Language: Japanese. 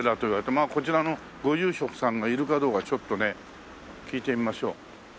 まあこちらのご住職さんがいるかどうかちょっとね聞いてみましょう。